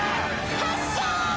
発射！